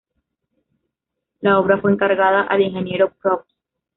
La obra fue encargada al ingeniero Probst.